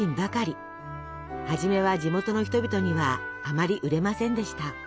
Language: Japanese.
初めは地元の人々にはあまり売れませんでした。